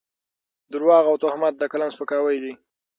درواغ او تهمت د قلم سپکاوی دی.